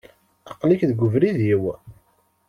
Aqli-k deg ubrid-iw.